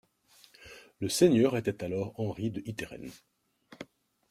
Le seigneur était alors Henry de Itteren.